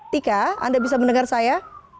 tika anda bisa mendengar saya